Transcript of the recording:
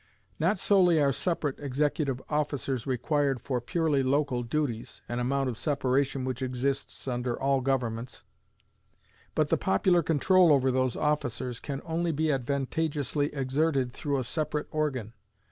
Not solely are separate executive officers required for purely local duties (an amount of separation which exists under all governments), but the popular control over those officers can only be advantageously exerted through a separate organ.